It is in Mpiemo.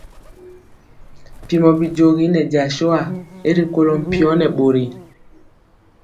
Mpiemɔ bijogi nɛ jasua y rikolɔ mpio nɛ bori.